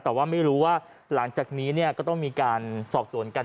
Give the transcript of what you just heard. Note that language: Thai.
แต่ว่าไม่รู้ว่าหลังจากนี้ก็ต้องมีการสอบสวนกัน